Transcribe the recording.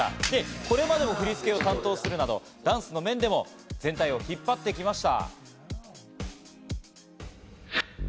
これまでも振り付けを担当するなどタンスの面でも全体を引っ張ってきました。